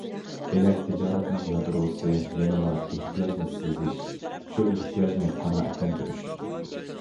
دېمەك تىجارەتنىڭ يادروسى يەنىلا ئېھتىياجنى سېزىش، شۇ ئېھتىياجنى قانائەتلەندۈرۈش.